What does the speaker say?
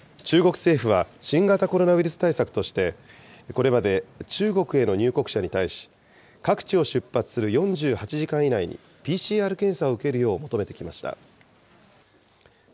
中国政府は、新型コロナウイルス対策として、これまで中国への入国者に対し、各地を出発する４８時間以内にＰＣＲ検査を受けるよう求めてきました。